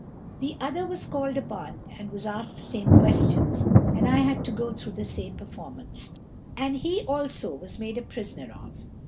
The other was called upon, and was asked the same questions, and I had to go through the same performance, and he also was made a prisoner of.